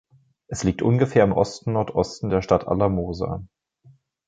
Es liegt ungefähr im Osten-Nordosten der Stadt Alamosa.